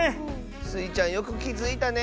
スイちゃんよくきづいたね！